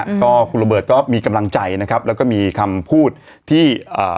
อืมก็คุณโรเบิร์ตก็มีกำลังใจนะครับแล้วก็มีคำพูดที่เอ่อ